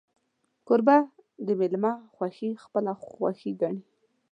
کوربه د میلمه خوښي خپله خوښي ګڼي.